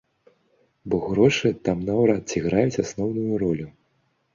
Бо грошы там наўрад ці граюць асноўную ролю.